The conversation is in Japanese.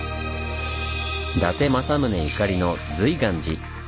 伊達政宗ゆかりの瑞巌寺。